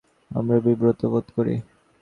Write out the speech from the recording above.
অপেশাদার ওই সব আচরণের জন্য আমরা বিব্রত বোধ করি।